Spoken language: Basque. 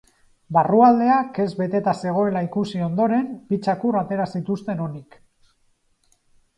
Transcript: Barrualdea kez beteta zegoela ikusi ondoren, bi txakur atera zituzten onik.